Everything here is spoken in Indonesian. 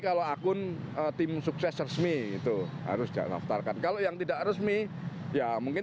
kalau akun tim sukses resmi itu harus dia naftarkan kalau yang tidak resmi ya mungkin